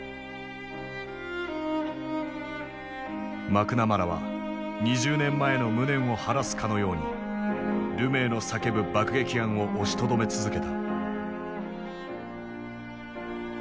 マクナマラは２０年前の無念を晴らすかのようにルメイの叫ぶ爆撃案を押しとどめ続けた。